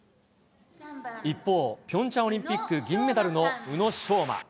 一方、ピョンチャンオリンピック銀メダルの宇野昌磨。